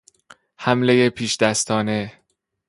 حملهی پیشدستانه